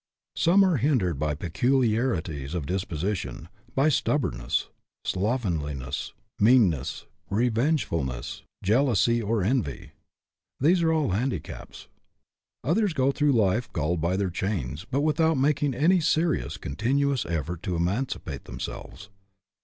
Some are hin dered by peculiarities of disposition; by stub bornness, slovenliness, meanness, revengeful ness, jealousy, or envy. These are all handi caps. Others go through life galled by their chains, but without making any serious, continuous effort to emancipate themselves.